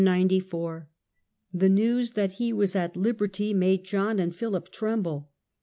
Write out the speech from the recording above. The news that he was at Hberty made John and Philip tremble.